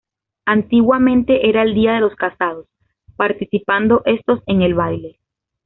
Antiguamente era el día de los casados, participando estos en el baile.